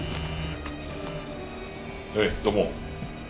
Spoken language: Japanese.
はい土門。